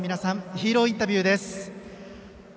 ヒーローインタビューです。